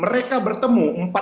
mereka bertemu empat ke empat